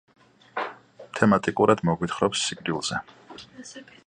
თემატიკურად მოგვითხრობს სიკვდილზე.